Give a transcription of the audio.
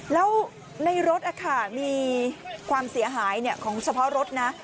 แล้วในรถอะค่ะมีความเสียหายเนี่ยของเฉพาะรถน่ะ